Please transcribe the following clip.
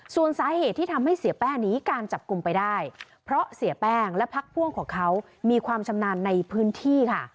ส่วนสาเหตุที่ทำให้เสียแป้งหนีการจับกลุ่มไปได้เพราะเสียแป้งและพักพ่วงของเขามีความชำนาญในพื้นที่ค่ะ